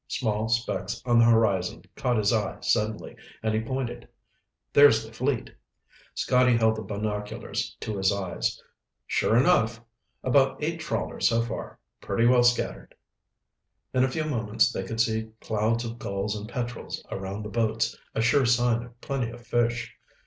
Small specks on the horizon caught his eye suddenly and he pointed. "There's the fleet!" Scotty held the binoculars to his eyes. "Sure enough. About eight trawlers so far, pretty well scattered." In a few moments they could see clouds of gulls and petrels around the boats, a sure sign of plenty of fish.